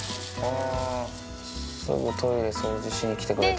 すぐトイレ掃除しに来てくれたんだ。